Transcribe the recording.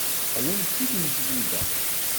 Qqlen-d seg tmesgida.